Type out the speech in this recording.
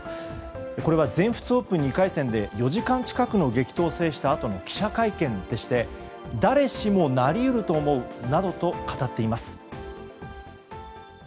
これは全仏オープン２回戦で４時間近くの激闘を制したあとの記者会見でして誰しもなり得ると思うなどと語っています。